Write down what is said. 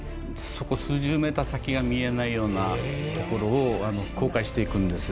数十メーター先が見えないような所を航海していくんです。